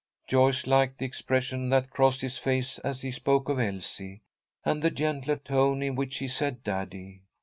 Joyce liked the expression that crossed his face as he spoke of Elsie, and the gentler tone in which he said Daddy.